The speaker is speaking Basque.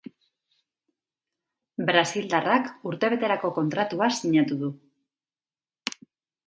Brasildarrak urtebeterako kontratua sinatu du.